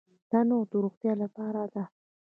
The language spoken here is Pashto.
تنوع د روغتیا لپاره ده.